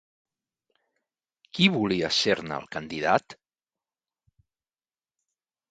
Qui volia ser-ne el candidat?